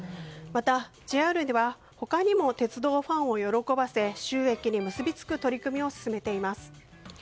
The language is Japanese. また、ＪＲでは他にも鉄道ファンを喜ばせ収益に結び付く取り組みを進めています。